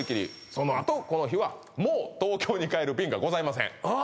そのあとこの日はもう東京に帰る便がございませんあ